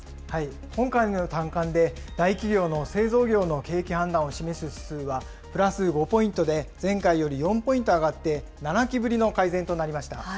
今回の短観で大企業の製造業の景気判断を示す指数は、プラス５ポイントで、前回より４ポイント上がって７期ぶりの改善となりました。